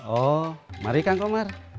oh mari kang komar